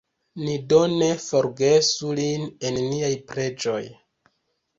Ni do ne forgesu lin en niaj preĝoj.